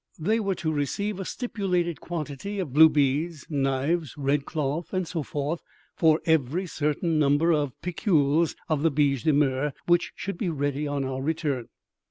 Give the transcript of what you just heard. They were to receive a stipulated quantity of blue beads, knives, red cloth, and so forth, for every certain number of piculs of the biche de mer which should be ready on our return.